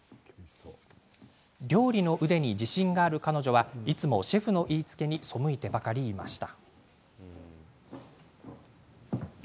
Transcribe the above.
料理の腕に自信がある彼女はいつもシェフの言いつけに背いてばかりいました。